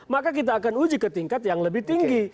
maka kita akan uji ke tingkat yang lebih tinggi